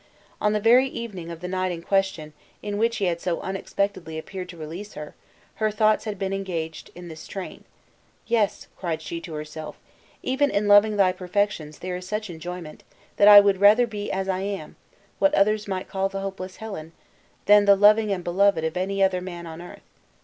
On the very evening of the night in question in which he had so unexpectedly appeared to release her, her thoughts had been engaged in this train: "Yes," cried she to herself, "even in loving thy perfections there is such enjoyment, that I would rather be as I am what others might call the hopeless Helen, than the loving and beloved of any other man on earth.